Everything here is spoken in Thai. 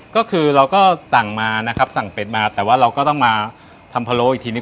ก็คือเราก็สั่งมานะครับสั่งเป็ดมาแต่ว่าเราก็ต้องมาทำพะโล้อีกทีนึ